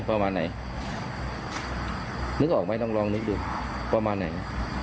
ประมาณไหนนึกออกไหมต้องลองนึกดูประมาณไหน